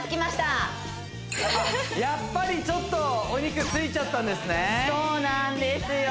やっぱりちょっとお肉ついちゃったんですねそうなんですよ